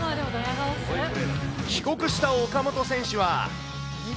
帰国した岡本選手は。